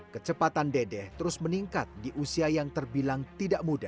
kecepatan dedek terus meningkat di usia yang terbilang tidak muda